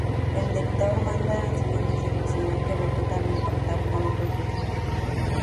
El detector manda una señal direccional que rebota al impactar con un reflector.